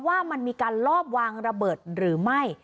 ว่ามันมีการลอบวางระเบิดหรือไม่